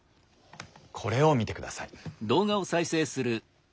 これを見てください。